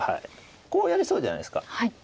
こうやりそうじゃないですか。